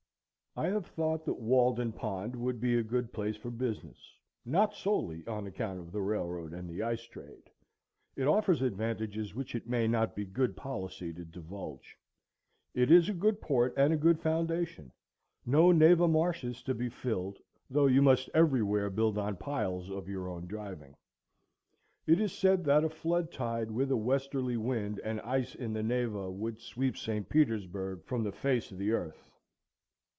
I have thought that Walden Pond would be a good place for business, not solely on account of the railroad and the ice trade; it offers advantages which it may not be good policy to divulge; it is a good port and a good foundation. No Neva marshes to be filled; though you must every where build on piles of your own driving. It is said that a flood tide, with a westerly wind, and ice in the Neva, would sweep St. Petersburg from the face of the earth.